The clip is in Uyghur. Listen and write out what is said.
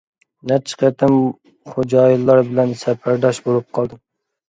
نەچچە قېتىم خوجايىنلار بىلەن سەپەرداش بولۇپ قالدىم.